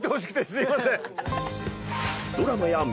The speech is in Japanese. すいません。